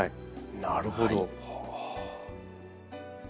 なるほど。